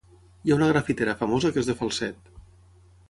Hi ha una grafitera famosa que és de Falset.